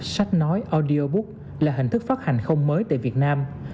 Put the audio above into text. sách nói audiobook là hình thức phát hành không mới tại việt nam